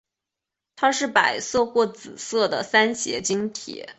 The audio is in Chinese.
它是白色或紫色的三斜晶体。